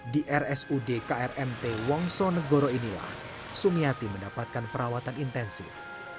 di rsud krmt wongso negoro inilah sumiati mendapatkan perawatan intensif